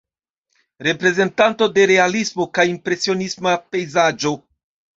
Reprezentanto de realismo kaj impresionisma pejzaĝo.